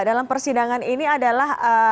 dalam persidangan ini adalah